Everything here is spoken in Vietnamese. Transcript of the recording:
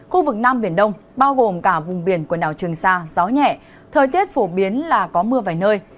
khu vực nam biển đông bao gồm cả vùng biển quần đảo trường sa gió nhẹ thời tiết phổ biến là có mưa vài nơi